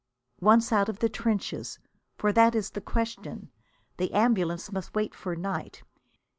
Once out of the trenches! For that is the question. The ambulances must wait for night.